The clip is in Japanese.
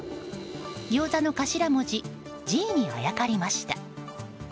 ギョーザの頭文字「Ｇ」にあやかりました。